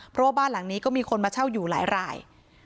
เพราะว่าบ้านหลังนี้ก็มีคนมาเช่าอยู่หลายราย